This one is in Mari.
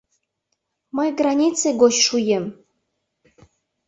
Мый границе гоч шуем.